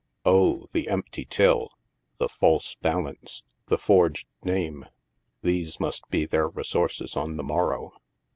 Oh ! the empty till ! the false balance ! the forged name !— these must be their resources on the morrow.